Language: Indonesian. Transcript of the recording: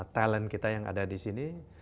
talent kita yang ada di sini